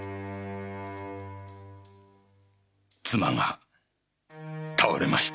妻が倒れました。